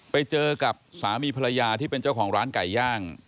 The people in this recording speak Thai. ไปเจอกับสามีภรรยาที่เป็นเจ้าของร้านไก่ย่าง